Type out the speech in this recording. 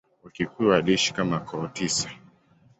Wakikuyu waliishi kama koo tisa.